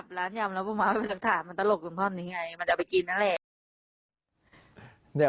มันตลกอย่างพร้อมนี้ไงมันจะเอาไปกินนั่นแหละ